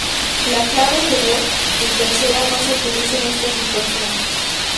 La clave de "do" en tercera no se utiliza en estas situaciones.